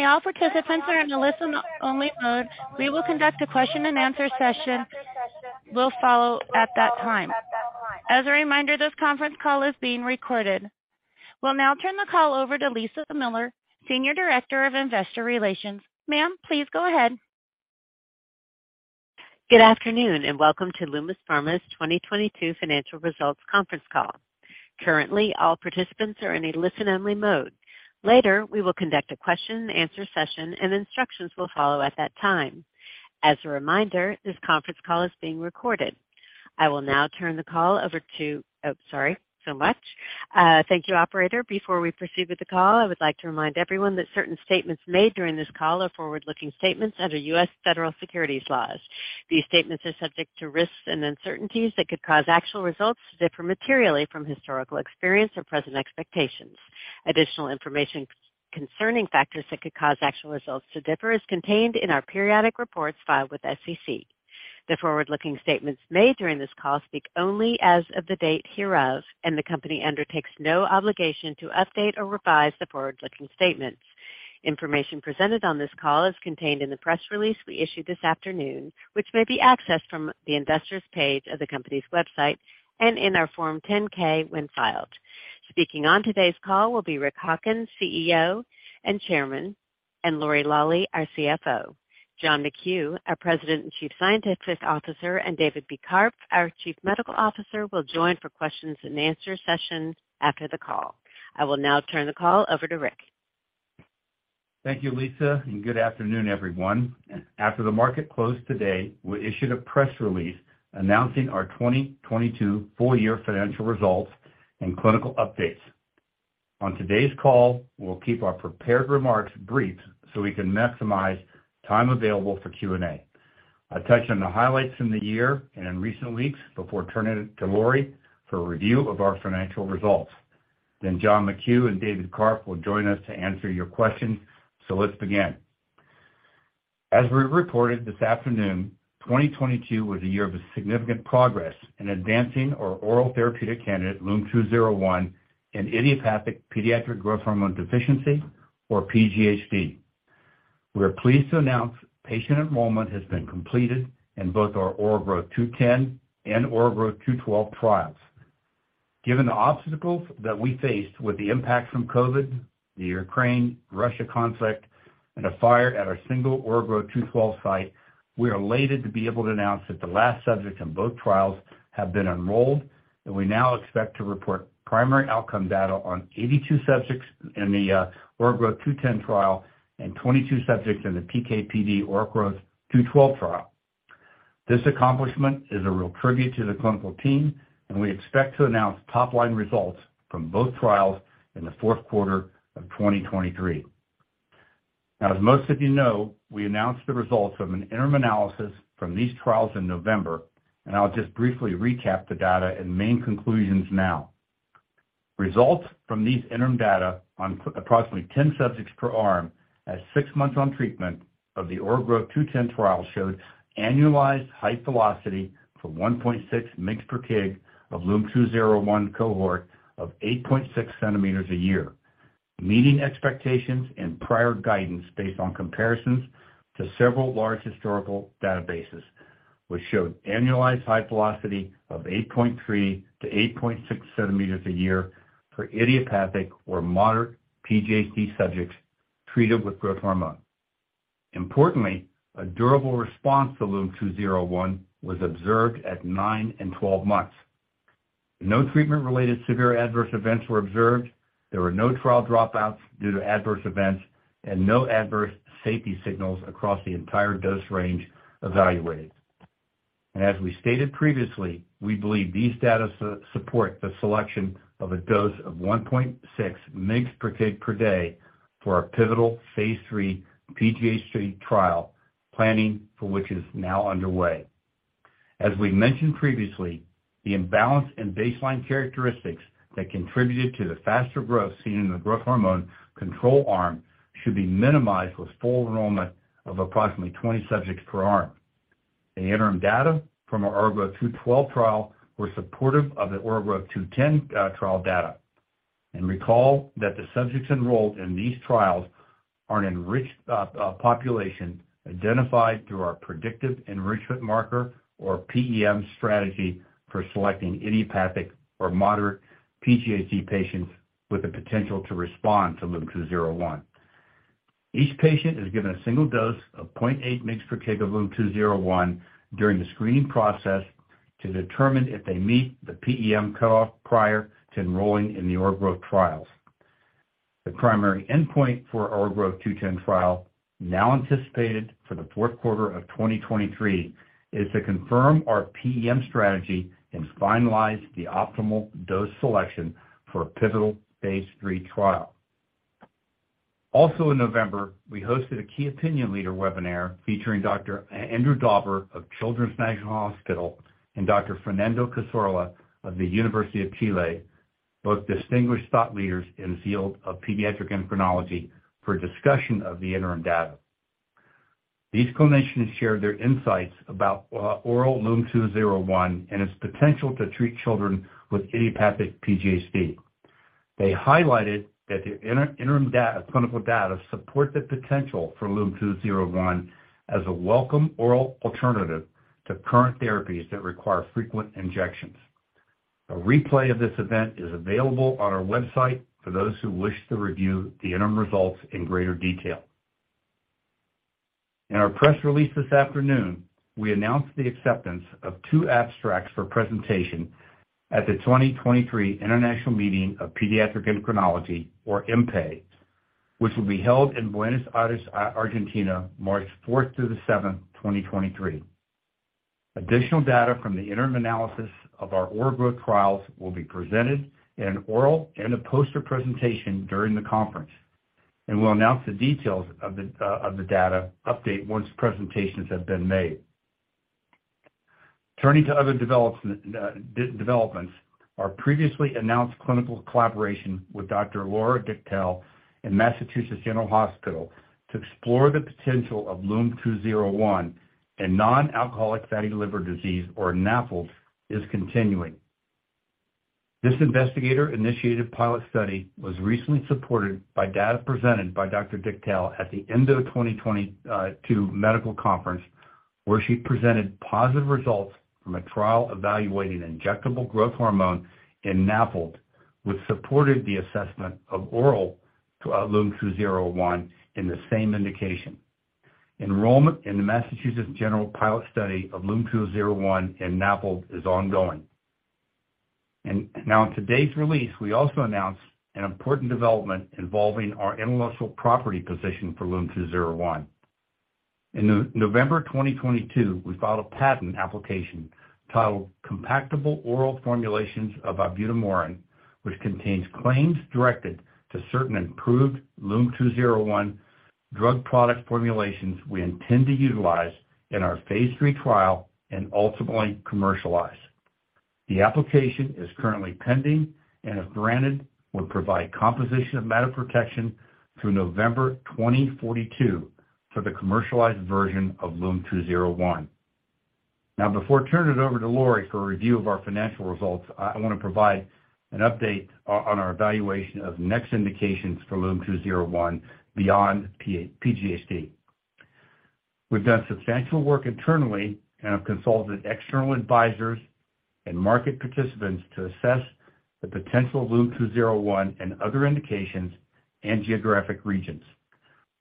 Currently, all participants are in a listen only mode. We will conduct a question and answer session will follow at that time. As a reminder, this conference call is being recorded. We'll now turn the call over to Lisa Miller, Senior Director of Investor Relations. Ma'am, please go ahead. Welcome to Lumos Pharma's 2022 financial results conference call. Currently, all participants are in a listen only mode. Later, we will conduct a question and answer session. Instructions will follow at that time. As a reminder, this conference call is being recorded. Oh, sorry so much. Thank you operator. Before we proceed with the call, I would like to remind everyone that certain statements made during this call are forward-looking statements under U.S. Federal Securities laws. These statements are subject to risks and uncertainties that could cause actual results to differ materially from historical experience or present expectations. Additional information concerning factors that could cause actual results to differ is contained in our periodic reports filed with SEC. The forward-looking statements made during this call speak only as of the date hereof, and the company undertakes no obligation to update or revise the forward-looking statements. Information presented on this call is contained in the press release we issued this afternoon, which may be accessed from the investors' page of the company's website and in our Form 10-K when filed. Speaking on today's call will be Rick Hawkins, CEO and Chairman, and Lori Lawley, our CFO. John McKew, our President and Chief Scientific Officer, and David B. Karpf, our Chief Medical Officer, will join for questions and answer session after the call. I will now turn the call over to Rick. Thank you, Lisa. Good afternoon, everyone. After the market closed today, we issued a press release announcing our 2022 full year financial results and clinical updates. On today's call, we'll keep our prepared remarks brief so we can maximize time available for Q&A. I'll touch on the highlights in the year and in recent weeks before turning it to Lori for a review of our financial results. John McKew and David Karpf will join us to answer your questions. Let's begin. As we reported this afternoon, 2022 was a year of significant progress in advancing our oral therapeutic candidate, LUM-201, in idiopathic pediatric growth hormone deficiency, or PGHD. We are pleased to announce patient enrollment has been completed in both our OraGrowtH210 and OraGrowtH212 trials. Given the obstacles that we faced with the impact from COVID, the Ukraine-Russia conflict and a fire at our single OraGrowtH212 site, we are elated to be able to announce that the last subjects in both trials have been enrolled and we now expect to report primary outcome data on 82 subjects in the OraGrowtH210 trial and 22 subjects in the PK/PD OraGrowtH212 trial. This accomplishment is a real tribute to the clinical team and we expect to announce top line results from both trials in the fourth quarter of 2023. As most of you know, we announced the results of an interim analysis from these trials in November, and I'll just briefly recap the data and main conclusions now. Results from these interim data on approximately 10 subjects per arm at six months on treatment of the OraGrowtH210 trial showed annualized height velocity for 1.6 mgs/kg of LUM-201 cohort of 8.6 cm a year, meeting expectations and prior guidance based on comparisons to several large historical databases, which showed annualized height velocity of 8.3 cm-8.6 cm a year for idiopathic or moderate PGHD subjects treated with growth hormone. Importantly, a durable response to LUM-201 was observed at nine and 12 months. No treatment related severe adverse events were observed, there were no trial dropouts due to adverse events, and no adverse safety signals across the entire dose range evaluated. As we stated previously, we believe these data support the selection of a dose of 1.6 mg/kg/dayfor our pivotal phase III PGHD trial, planning for which is now underway. As we mentioned previously, the imbalance in baseline characteristics that contributed to the faster growth seen in the growth hormone control arm should be minimized with full enrollment of approximately 20 subjects per arm. The interim data from our OraGrowtH212 trial were supportive of the OraGrowtH210 trial data. Recall that the subjects enrolled in these trials are an enriched population identified through our Predictive Enrichment Marker or PEM strategy for selecting idiopathic or moderate PGHD patients with the potential to respond to LUM-201. Each patient is given a single dose of 0.8 mg/kg of LUM-201 during the screening process to determine if they meet the PEM cutoff prior to enrolling in the OraGrowtH trials. The primary endpoint for OraGrowtH210 trial, now anticipated for the fourth quarter of 2023, is to confirm our PEM strategy and finalize the optimal dose selection for a pivotal phase III trial. In November, we hosted a key opinion leader webinar featuring Dr. Andrew Dauber of Children's National Hospital and Dr. Fernando Cassorla of the University of Chile, both distinguished thought leaders in the field of pediatric endocrinology for discussion of the interim data. These clinicians shared their insights about oral LUM-201 and its potential to treat children with idiopathic PGHD. They highlighted that the interim data, clinical data support the potential for LUM-201 as a welcome oral alternative to current therapies that require frequent injections. A replay of this event is available on our website for those who wish to review the interim results in greater detail. In our press release this afternoon, we announced the acceptance of two abstracts for presentation at the 2023 International Meeting of Pediatric Endocrinology, or IMPE, which will be held in Buenos Aires, Argentina, March 4th through the 7th, 2023. Additional data from the interim analysis of our OraGrowtH trials will be presented in an oral and a poster presentation during the conference. We'll announce the details of the data update once presentations have been made. Turning to other developments, our previously announced clinical collaboration with Dr. Laura Dichtel in Massachusetts General Hospital to explore the potential of LUM-201 in nonalcoholic fatty liver disease, or NAFLD, is continuing. This investigator-initiated pilot study was recently supported by data presented by Dr. Dichtel at the ENDO 2022 medical conference, where she presented positive results from a trial evaluating injectable growth hormone in NAFLD, which supported the assessment of oral LUM-201 in the same indication. Enrollment in the Massachusetts General pilot study of LUM-201 in NAFLD is ongoing. Now in today's release, we also announced an important development involving our intellectual property position for LUM-201. In November 2022, we filed a patent application titled Compactable Oral Formulations of Ibutamoren, which contains claims directed to certain improved LUM-201 drug product formulations we intend to utilize in our phase III trial and ultimately commercialize. The application is currently pending, and if granted, would provide composition of matter protection through November 2042 for the commercialized version of LUM-201. Now before turning it over to Lori for a review of our financial results, I wanna provide an update on our evaluation of next indications for LUM-201 beyond PGHD. We've done substantial work internally and have consulted external advisors and market participants to assess the potential of LUM-201 in other indications and geographic regions.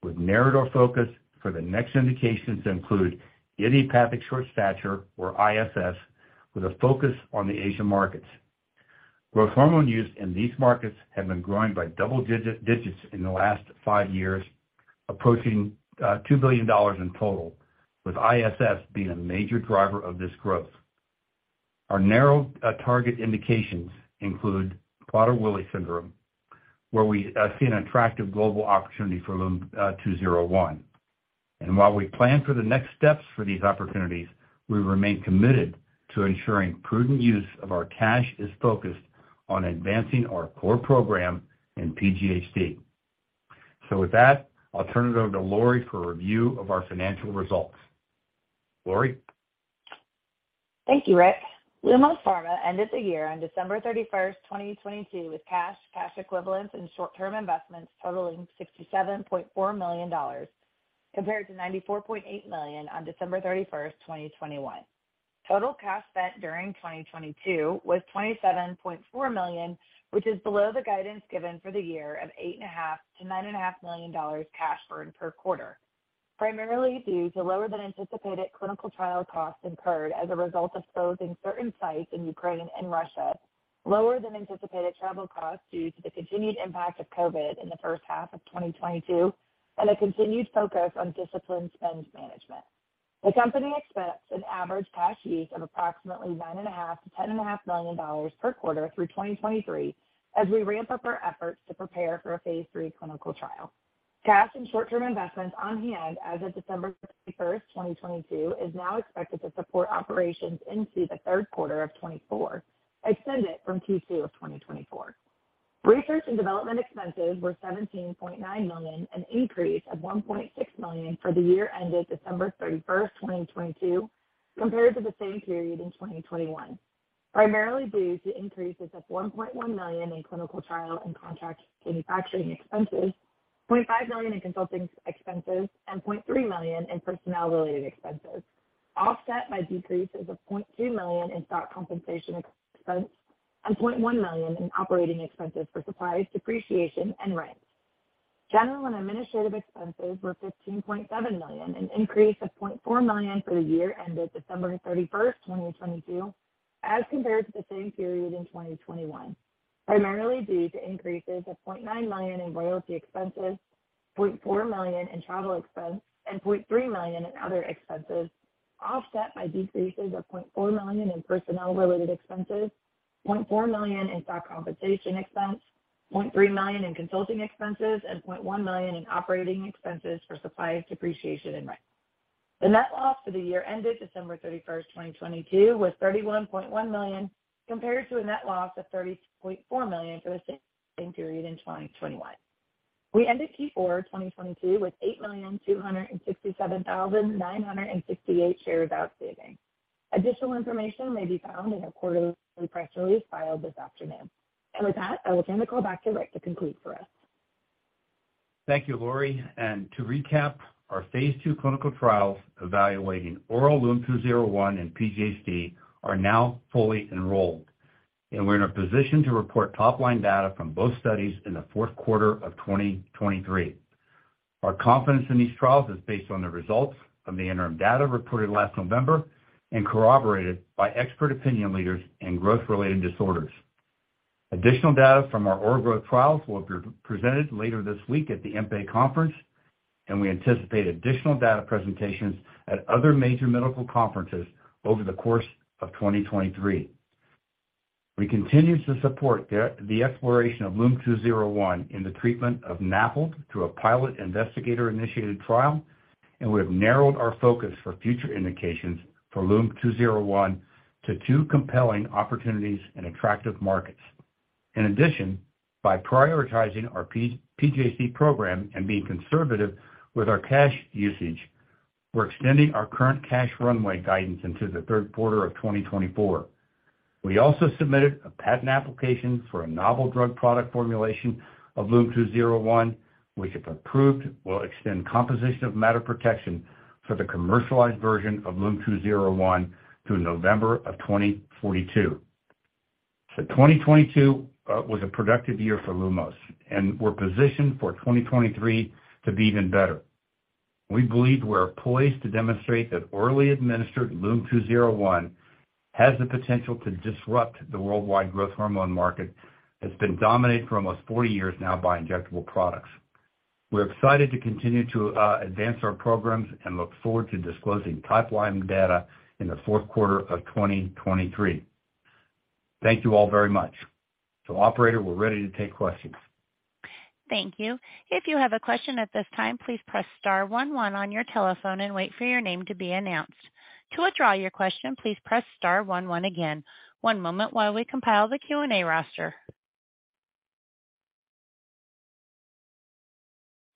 We've narrowed our focus for the next indications to include Idiopathic Short Stature, or ISS, with a focus on the Asian markets. Growth hormone use in these markets have been growing by double digits in the last five years, approaching $2 billion in total, with ISS being a major driver of this growth. Our narrowed target indications include Prader-Willi syndrome, where we see an attractive global opportunity for LUM-201. While we plan for the next steps for these opportunities, we remain committed to ensuring prudent use of our cash is focused on advancing our core program in PGHD. With that, I'll turn it over to Lori for a review of our financial results. Lori? Thank you, Rick. Lumos Pharma ended the year on December 31st, 2022, with cash equivalents, and short-term investments totaling $67.4 million compared to $94.8 million on December 31st, 2021. Total cash spent during 2022 was $27.4 million, which is below the guidance given for the year of eight and a half to nine and a half million dollars cash burn per quarter, primarily due to lower than anticipated clinical trial costs incurred as a result of closing certain sites in Ukraine and Russia, lower than anticipated travel costs due to the continued impact of COVID in the first half of 2022, and a continued focus on disciplined spend management. The company expects an average cash use of approximately 9.5-10 and a $500 million per quarter through 2023 as we ramp up our efforts to prepare for a phase III clinical trial. Cash and short-term investments on hand as of December 31st, 2022, is now expected to support operations into the third quarter of 2024, extended from Q2 of 2024. Research and development expenses were $17.9 million, an increase of $1.6 million for the year ended December 31st, 2022, compared to the same period in 2021, primarily due to increases of $1.1 million in clinical trial and contract manufacturing expenses, $0.5 million in consulting expenses, and $0.3 million in personnel-related expenses, offset by decreases of $0.2 million in stock compensation expense and $0.1 million in operating expenses for supplies, depreciation, and rent. General and administrative expenses were $15.7 million, an increase of $0.4 million for the year ended December 31st, 2022, as compared to the same period in 2021, primarily due to increases of $0.9 million in royalty expenses, $0.4 million in travel expense, and $0.3 million in other expenses, offset by decreases of $0.4 million in personnel-related expenses, $0.4 million in stock compensation expense, $0.3 million in consulting expenses, and $0.1 million in operating expenses for supplies, depreciation, and rent. The net loss for the year ended December 31, 2022 was $31.1 million, compared to a net loss of $32.4 million for the same period in 2021. We ended Q4 2022 with 8,267,968 shares outstanding. Additional information may be found in our quarterly press release filed this afternoon. With that, I will turn the call back to Rick to conclude for us. Thank you, Lori. To recap, our phase II clinical trials evaluating oral LUM-201 and PGHD are now fully enrolled, and we're in a position to report top-line data from both studies in the fourth quarter of 2023. Our confidence in these trials is based on the results from the interim data reported last November and corroborated by expert opinion leaders in growth-related disorders. Additional data from our oral growth trials will be presented later this week at the IMPE conference, and we anticipate additional data presentations at other major medical conferences over the course of 2023. We continue to support the exploration of LUM-201 in the treatment of NAFLD through a pilot investigator-initiated trial, and we have narrowed our focus for future indications for LUM-201 to two compelling opportunities and attractive markets. In addition, by prioritizing our p.. PGHD program and being conservative with our cash usage, we're extending our current cash runway guidance into the third quarter of 2024. We also submitted a patent application for a novel drug product formulation of LUM-201, which, if approved, will extend composition of matter protection for the commercialized version of LUM-201 through November of 2042. 2022 was a productive year for Lumos, and we're positioned for 2023 to be even better. We believe we're poised to demonstrate that orally administered LUM-201 has the potential to disrupt the worldwide growth hormone market that's been dominated for almost 40 years now by injectable products. We're excited to continue to advance our programs and look forward to disclosing top-line data in the fourth quarter of 2023. Thank you all very much. Operator, we're ready to take questions. Thank you. If you have a question at this time, please press star one one on your telephone and wait for your name to be announced. To withdraw your question, please press star one one again. One moment while we compile the Q&A roster.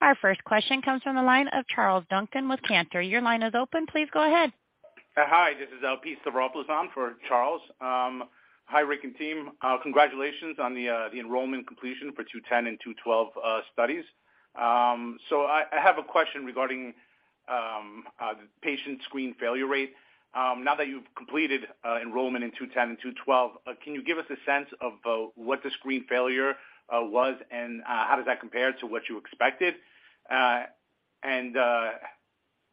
Our first question comes from the line of Charles Duncan with Cantor. Your line is open. Please go ahead. Hi, this is uncertain for Charles. Hi, Rick and team. Congratulations on the enrollment completion for 210 and 212 studies. I have a question regarding the patient screen failure rate. Now that you've completed enrollment in 210 and 212, can you give us a sense of what the screen failure was and how does that compare to what you expected? Yeah,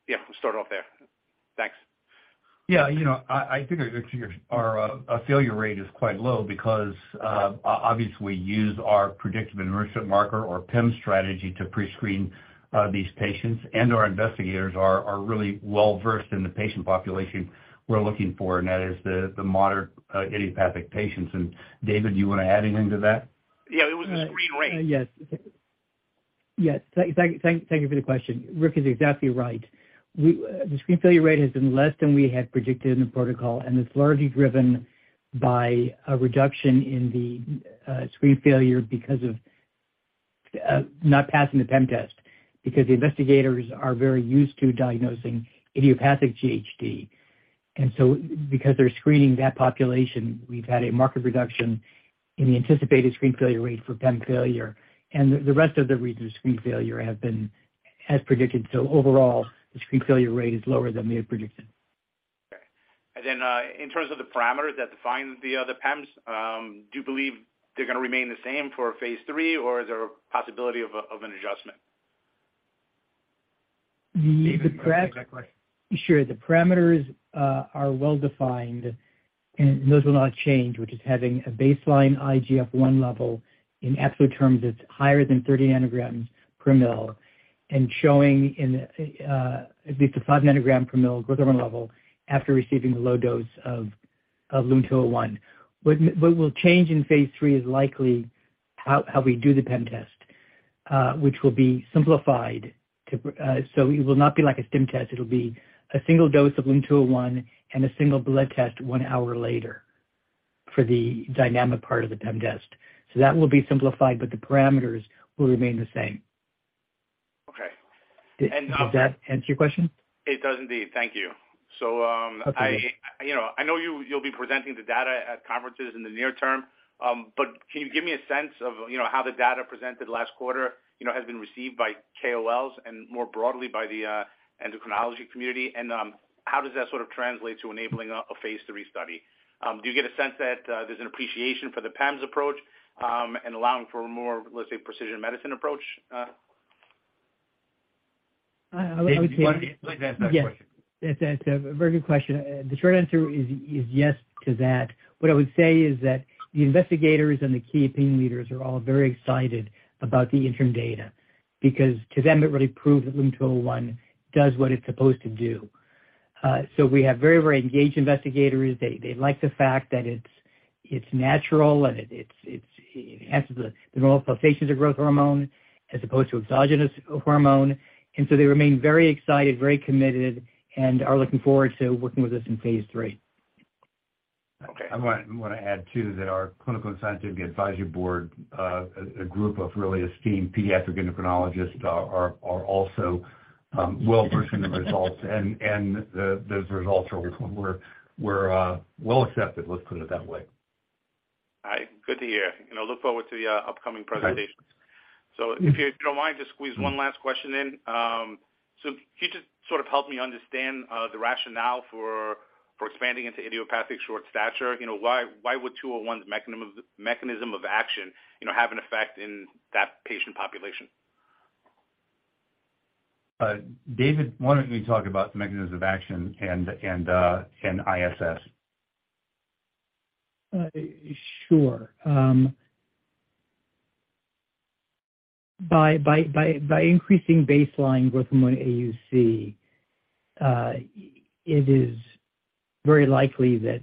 we'll start off there. Thanks. Yeah, you know, I think our failure rate is quite low because obviously we use our Predictive Enrichment Marker or PEM strategy to pre-screen these patients, and our investigators are really well-versed in the patient population we're looking for, and that is the moderate idiopathic patients. David, do you want to add anything to that? Yeah, what was the screen rate? Yes. Yes. Thank you for the question. Rick is exactly right. The screen failure rate has been less than we had predicted in the protocol, and it's largely driven by a reduction in the screen failure because of not passing the PEM test because the investigators are very used to diagnosing idiopathic GHD. Because they're screening that population, we've had a marked reduction in the anticipated screen failure rate for PEM failure. The rest of the reasons screen failure have been as predicted. Overall, the screen failure rate is lower than we had predicted. Okay. Then, in terms of the parameters that define the other PEMs, do you believe they're gonna remain the same for phase III, or is there a possibility of an adjustment? David, do you wanna take that question? Sure. The parameters are well defined and those will not change, which is having a baseline IGF-I level in absolute terms, it's higher than 30 ng/ml and showing in at least a 5 ng/ml growth hormone level after receiving the low dose of LUM-201. What will change in phase III is likely how we do the PEM test, which will be simplified so it will not be like a STIM test. It'll be a single dose of LUM-201 and a single blood test one hour later for the dynamic part of the PEM test. That will be simplified, but the parameters will remain the same. Okay. Did that answer your question? It does indeed. Thank you. Okay. I, you know, I know you'll be presenting the data at conferences in the near term, but can you give me a sense of, you know, how the data presented last quarter, you know, has been received by KOLs and more broadly by the endocrinology community? How does that sort of translate to enabling a phase III study? Do you get a sense that there's an appreciation for the PEMs approach, and allowing for a more, let's say, precision medicine approach? I would say. David, do you mind please answering that question? Yes. That's a very good question. The short answer is yes to that. What I would say is that the investigators and the key opinion leaders are all very excited about the interim data because to them it really proves that LUM-201 does what it's supposed to do. We have very, very engaged investigators. They like the fact that it's natural and it enhances the normal pulsations of growth hormone as opposed to exogenous hormone. They remain very excited, very committed, and are looking forward to working with us in phase III. Okay. I wanna add too that our clinical and scientific advisory board, a group of really esteemed pediatric endocrinologists are also well-versed in the results. Those results were well accepted, let's put it that way. All right. Good to hear. I'll look forward to the upcoming presentations. Right. If you don't mind, just squeeze one last question in. Can you just sort of help me understand, the rationale for expanding into Idiopathic Short Stature? You know, why would 201's mechanism of action, you know, have an effect in that patient population? David, why don't you talk about the mechanism of action and ISS? Sure. by increasing baseline growth hormone AUC, it is very likely that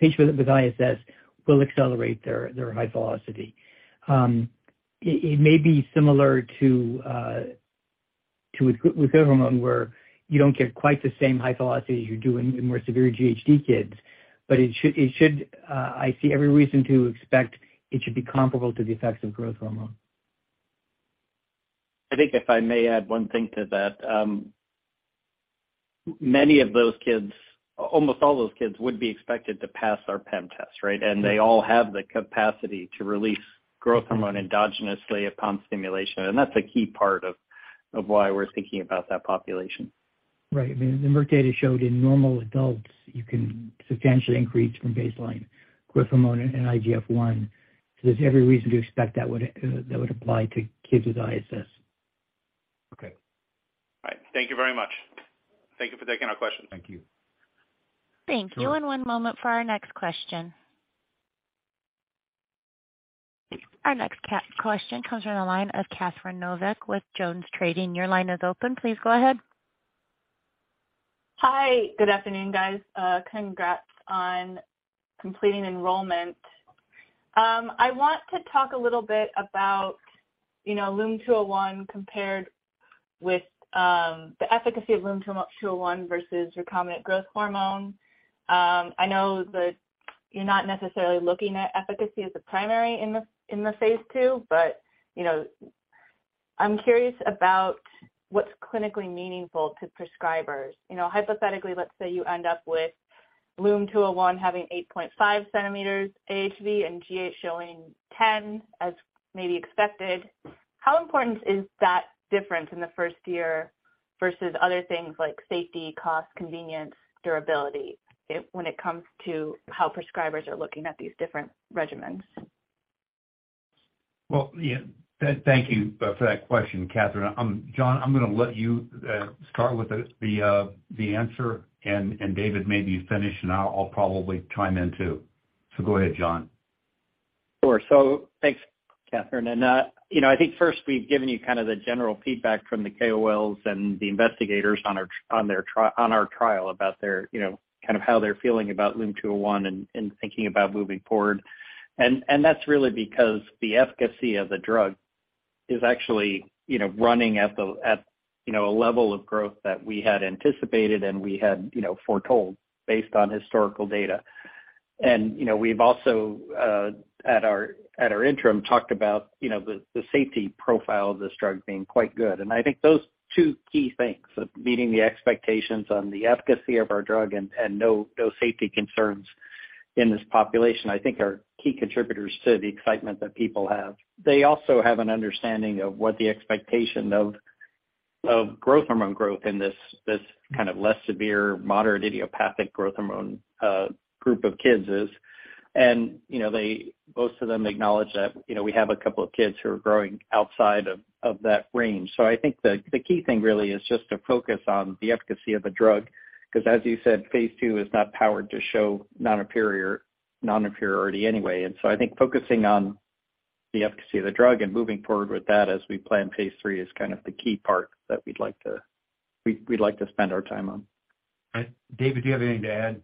patients with ISS will accelerate their high velocity. It may be similar to with growth hormone where you don't get quite the same high velocity as you do in more severe GHD kids. It should, I see every reason to expect it should be comparable to the effects of growth hormone. I think if I may add one thing to that. Many of those kids, almost all those kids would be expected to pass our PEM test, right? They all have the capacity to release growth hormone endogenously upon stimulation. That's a key part of why we're thinking about that population. Right. I mean, the Merck data showed in normal adults you can substantially increase from baseline growth hormone and IGF-I. There's every reason to expect that would that would apply to kids with ISS. Okay. All right. Thank you very much. Thank you for taking our question. Thank you. Thank you. One moment for our next question. Our next question comes from the line of Catherine Novack with Jones Trading. Your line is open. Please go ahead. Hi, good afternoon, guys. Congrats on completing enrollment. I want to talk a little bit about, you know, LUM-201 compared with the efficacy of LUM-201 versus recombinant growth hormone. I know that you're not necessarily looking at efficacy as a primary in the phase II, you know, I'm curious about what's clinically meaningful to prescribers. You know, hypothetically, let's say you end up with LUM-201 having 8.5 cm AHV and GH showing 10, as maybe expected. How important is that difference in the first year versus other things like safety, cost, convenience, durability when it comes to how prescribers are looking at these different regimens? Well, yeah, thank you for that question, Catherine. John, I'm gonna let you start with the answer and David, maybe finish and I'll probably chime in too. Go ahead, John. Sure. Thanks, Catherine. You know, I think first we've given you kind of the general feedback from the KOLs and the investigators on our trial about their, you know, kind of how they're feeling about LUM-201 and thinking about moving forward. That's really because the efficacy of the drug is actually, you know, running at, you know, a level of growth that we had anticipated and we had, you know, foretold based on historical data. You know, we've also, at our, at our interim, talked about, you know, the safety profile of this drug being quite good. I think those two key things of meeting the expectations on the efficacy of our drug and no safety concerns in this population, I think are key contributors to the excitement that people have. They also have an understanding of what the expectation of growth hormone growth in this kind of less severe, moderate idiopathic growth hormone group of kids is. You know, most of them acknowledge that, you know, we have a couple of kids who are growing outside of that range. I think the key thing really is just to focus on the efficacy of the drug, 'cause as you said, phase II is not powered to show non-inferiority anyway. I think focusing on the efficacy of the drug and moving forward with that as we plan phase III is kind of the key part that we'd like to spend our time on. All right. David, do you have anything to add?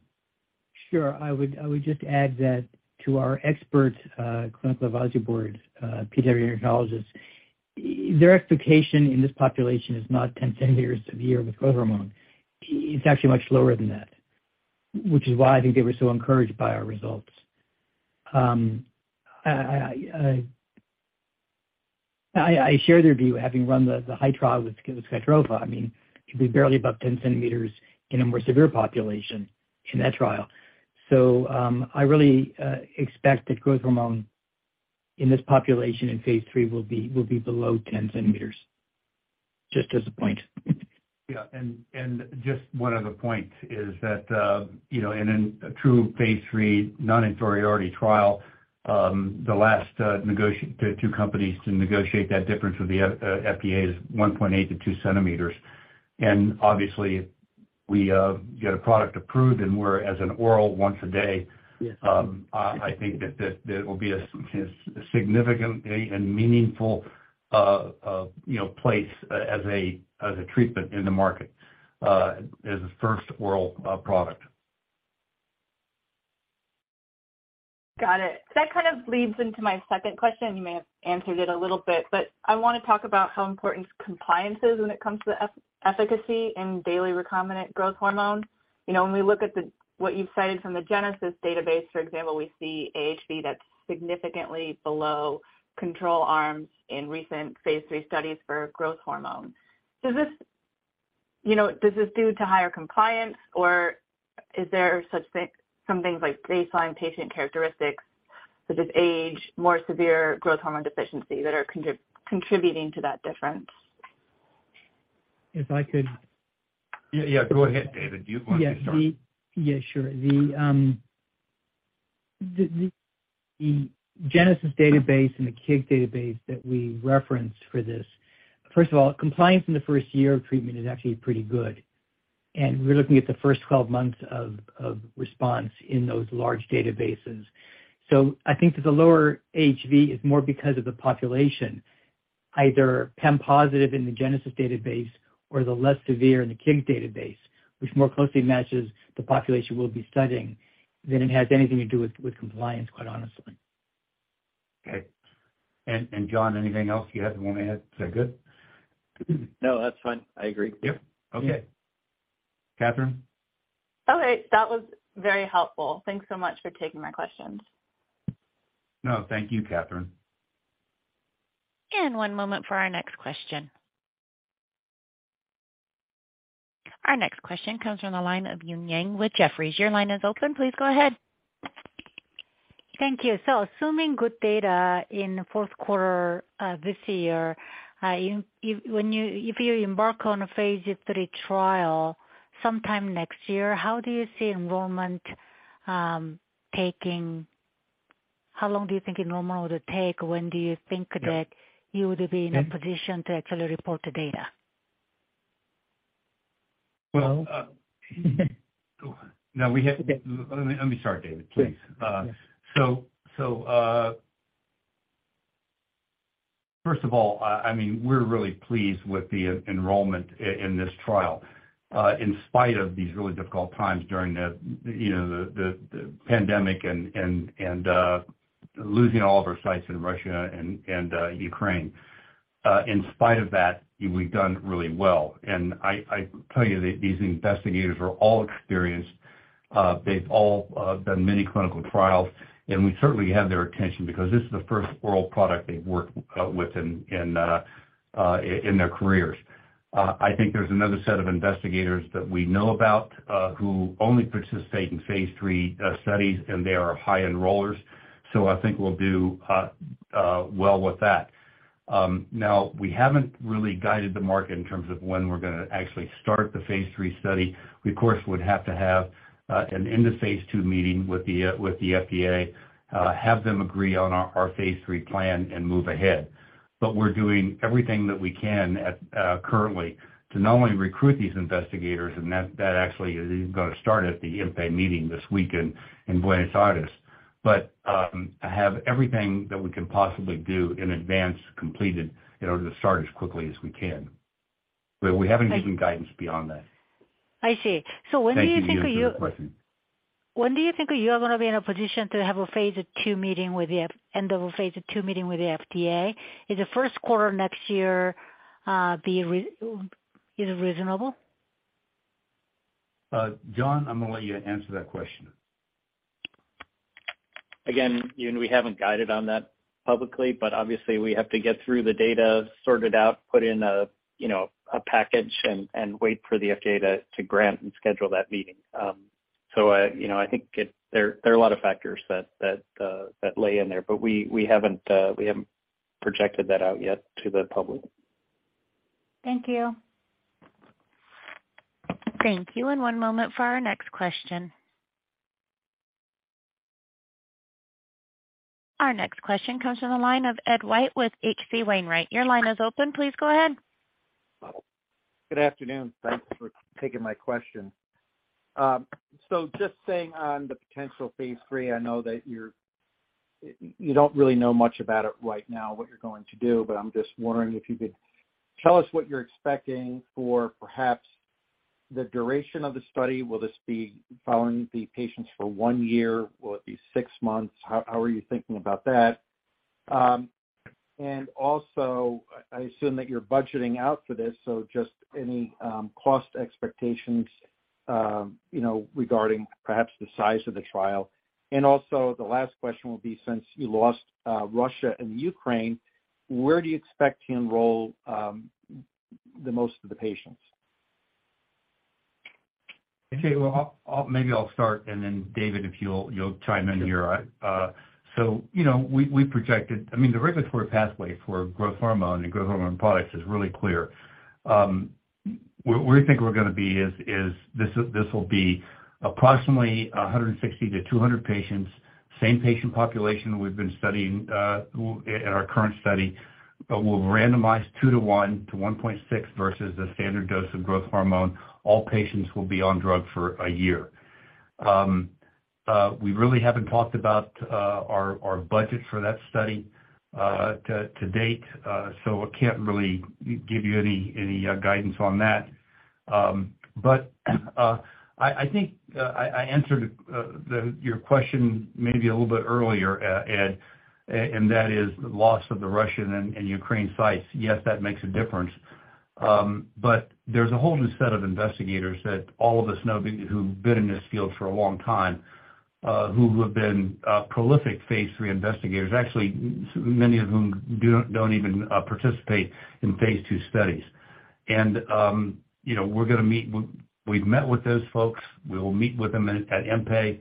Sure. I would just add that to our expert, clinical advisory board, pediatric endocrinologists, their expectation in this population is not 10 cm severe with growth hormone. It's actually much lower than that, which is why I think they were so encouraged by our results. I share their view having run the high trial with OraGrowtH. I mean, it'd be barely above 10 cm in a more severe population in that trial. I really expect that growth hormone in this population in phase III will be below 10 cm, just as a point. Yeah. Just one other point is that, you know, in a true phase III non-inferiority trial, the last two companies to negotiate that difference with the FDA is 1.8 cm-2 cm. Obviously- We get a product approved, and we're as an oral once a day. Yes. I think that it will be a significant and meaningful, you know, place as a treatment in the market as a first oral product. Got it. That kind of leads into my second question. You may have answered it a little bit, but I wanna talk about how important compliance is when it comes to efficacy in daily recombinant growth hormone. You know, when we look at what you've cited from the GeNeSIS database, for example, we see AHV that's significantly below control arms in recent phase III studies for growth hormone. Is this, you know, is this due to higher compliance, or is there such thing, some things like baseline patient characteristics such as age, more severe growth hormone deficiency that are contributing to that difference? If I could. Yeah, yeah. Go ahead, David. You go ahead and start. Yeah, sure. The GeNeSIS database and the KIGS database that we referenced for this. First of all, compliance in the first year of treatment is actually pretty good, and we're looking at the first 12 months of response in those large databases. I think that the lower AHV is more because of the population, either PEM positive in the GeNeSIS database or the less severe in the KIGS database, which more closely matches the population we'll be studying than it has anything to do with compliance, quite honestly. Okay. John, anything else you had to wanna add? Is that good? No, that's fine. I agree. Yep. Okay. Catherine? All right. That was very helpful. Thanks so much for taking my questions. No, thank you, Catherine. One moment for our next question. Our next question comes from the line of Eun Yang with Jefferies. Your line is open. Please go ahead. Thank you. Assuming good data in the fourth quarter, this year, if you embark on a phase III trial sometime next year, how do you see enrollment? How long do you think enrollment would take? When do you think that you would be in a position to actually report the data? Well. No, we have... Let me start, David, please. Yeah. First of all, I mean, we're really pleased with the enrollment in this trial, in spite of these really difficult times during the, you know, the pandemic and losing all of our sites in Russia and Ukraine. In spite of that, we've done really well. I tell you, these investigators are all experienced. They've all done many clinical trials, and we certainly have their attention because this is the first oral product they've worked with in their careers. I think there's another set of investigators that we know about who only participate in phase III studies, and they are high enrollers. I think we'll do well with that. Now we haven't really guided the market in terms of when we're gonna actually start the phase III study. We, of course, would have to have an end of phase II meeting with the FDA, have them agree on our phase III plan and move ahead. We're doing everything that we can at currently to not only recruit these investigators, and that actually is gonna start at the IMPE meeting this week in Buenos Aires. Have everything that we can possibly do in advance completed in order to start as quickly as we can. We haven't given guidance beyond that. I see. When do you think of you-. Thank you, Yun, for the question. When do you think you are gonna be in a position to have a phase II meeting with the end of phase II meeting with the FDA? Is the first quarter next year, is it reasonable? John, I'm gonna let you answer that question. Eun, we haven't guided on that publicly. Obviously, we have to get through the data, sort it out, put in a, you know, a package and wait for the FDA to grant and schedule that meeting. You know, there are a lot of factors that lay in there. We haven't projected that out yet to the public. Thank you. Thank you. One moment for our next question. Our next question comes from the line of Ed White with H.C. Wainwright. Your line is open. Please go ahead. Good afternoon. Thanks for taking my question. Just staying on the potential phase III, I know that you don't really know much about it right now, what you're going to do, but I'm just wondering if you could tell us what you're expecting for perhaps the duration of the study. Will this be following the patients for one year? Will it be six months? How are you thinking about that? Also, I assume that you're budgeting out for this, just any cost expectations, you know, regarding perhaps the size of the trial. Also, the last question will be, since you lost Russia and Ukraine, where do you expect to enroll the most of the patients? Okay. Well, I'll start, and then David, if you'll chime in here. You know, we projected. I mean, the regulatory pathway for growth hormone and growth hormone products is really clear. Where do you think we're going to be is this will be approximately 160-200 patients. Same patient population we've been studying in our current study, but we'll randomize two to one to 1.6 versus the standard dose of growth hormone. All patients will be on drug for one year. We really haven't talked about our budget for that study to date, so I can't really give you any guidance on that. I think I answered your question maybe a little bit earlier, Ed, and that is the loss of the Russian and Ukraine sites. Yes, that makes a difference. There's a whole new set of investigators that all of us know who've been in this field for a long time, who have been prolific phase III investigators. Actually, many of whom don't even participate in phase II studies. You know, we've met with those folks. We will meet with them at MPA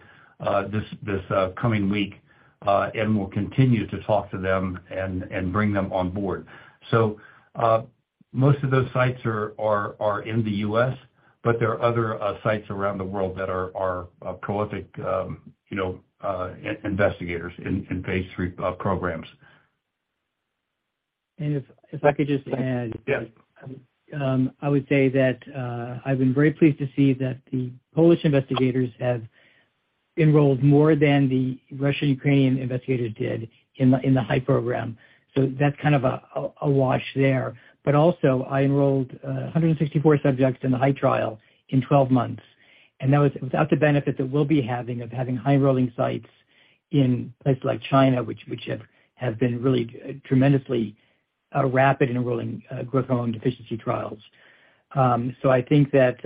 this coming week, and we'll continue to talk to them and bring them on board. Most of those sites are in the U.S., but there are other sites around the world that are prolific, you know, investigators in phase III programs. If I could just add. Yeah. I would say that I've been very pleased to see that the Polish investigators have enrolled more than the Russian, Ukrainian investigators did in the Heights program, so that's kind of a wash there. I enrolled 164 subjects in the Heights trial in 12 months, and that was without the benefit that we'll be having of having high enrolling sites in places like China which have been really tremendously rapid in enrolling growth hormone deficiency trials. I think that,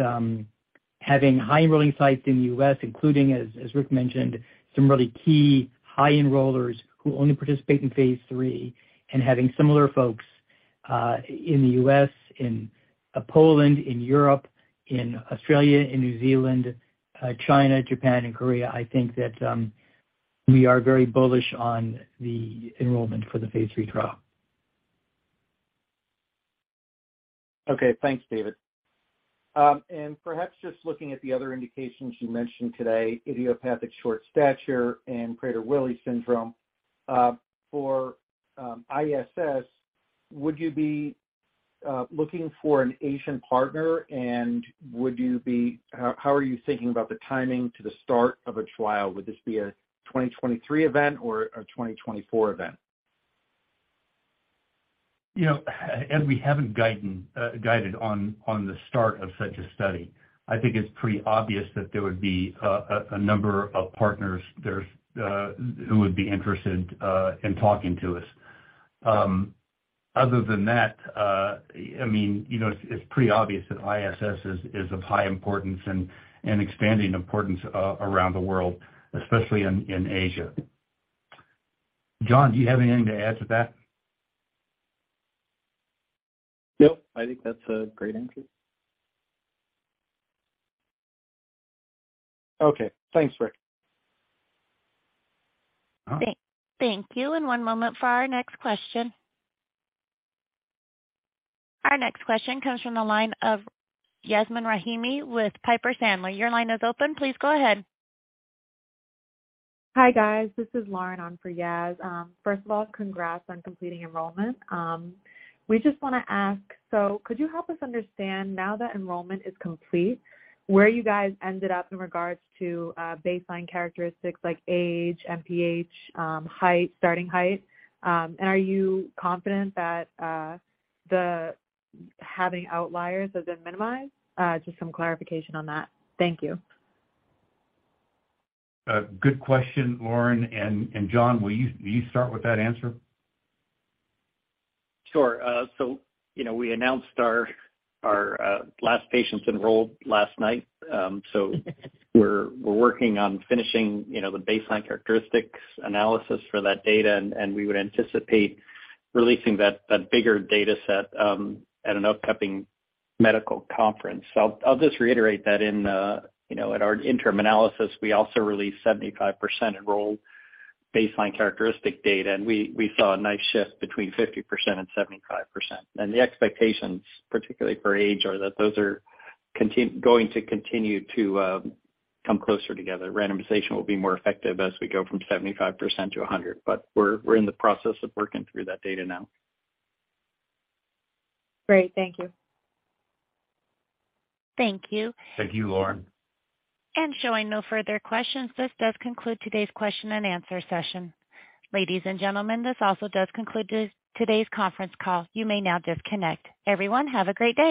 having high enrolling sites in the U.S., including, as Rick mentioned, some really key high enrollers who only participate in phase III, and having similar folks, in the U.S., in Poland, in Europe, in Australia, in New Zealand, China, Japan, and Korea, I think that, we are very bullish on the enrollment for the phase III trial. Okay. Thanks, David. Perhaps just looking at the other indications you mentioned today, Idiopathic Short Stature and Prader-Willi syndrome, for ISS, would you be looking for an Asian partner? How are you thinking about the timing to the start of a trial? Would this be a 2023 event or a 2024 event? You know, Ed, we haven't guided on the start of such a study. I think it's pretty obvious that there would be a number of partners there who would be interested in talking to us. Other than that, I mean, you know, it's pretty obvious that ISS is of high importance and expanding importance around the world, especially in Asia. John, do you have anything to add to that? Nope. I think that's a great answer. Okay. Thanks, Rick. All right. Thank you. One moment for our next question. Our next question comes from the line of Yasmeen Rahimi with Piper Sandler. Your line is open. Please go ahead. Hi, guys. This is Lauren on for Yas. First of all, congrats on completing enrollment. We just wanna ask, could you help us understand now that enrollment is complete, where you guys ended up in regards to baseline characteristics like age, MPH, height, starting height? Are you confident that the having outliers have been minimized? Just some clarification on that. Thank you. Good question, Lauren. John, will you start with that answer? Sure. You know, we announced our last patients enrolled last night. We're working on finishing, you know, the baseline characteristics analysis for that data, and we would anticipate releasing that bigger data set at an upcoming medical conference. I'll just reiterate that in, you know, at our interim analysis, we also released 75% enrolled baseline characteristic data, and we saw a nice shift between 50% and 75%. The expectations, particularly for age, are that those are going to continue to come closer together. Randomization will be more effective as we go from 75%-100%. We're in the process of working through that data now. Great. Thank you. Thank you. Thank you, Lauren. Showing no further questions, this does conclude today's question and answer session. Ladies and gentlemen, this also does conclude today's conference call. You may now disconnect. Everyone, have a great day.